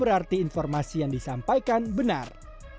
berarti informasi yang disampaikan benar